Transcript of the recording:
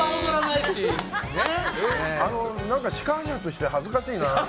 何か司会者として恥ずかしいな。